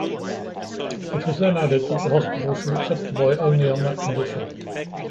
It was then added that the hospital shall accept the boy only on that condition.